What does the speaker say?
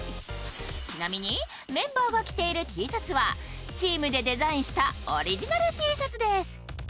ちなみにメンバーが着ているＴシャツはチームでデザインしたオリジナルＴシャツです。